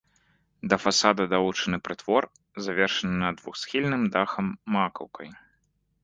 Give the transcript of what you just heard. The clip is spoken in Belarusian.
Да фасада далучаны прытвор, завершаны над двухсхільным дахам макаўкай.